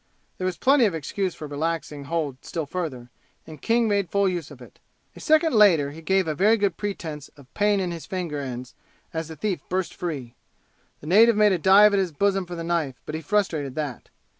There was plenty of excuse for relaxing hold still further, and King made full use of it. A second later he gave a very good pretense of pain in his finger ends as the thief burst free. The native made a dive at his bosom for the knife, but he frustrated that.